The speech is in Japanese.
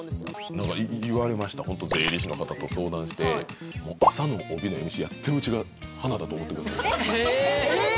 何か言われましたホント税理士の方と相談して朝の帯のＭＣやってるうちが華だと思ってくださいってえっ！